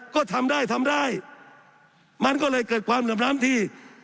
ก็ทำได้ทำได้มันก็เลยเกิดความเหลื่อมล้ำที่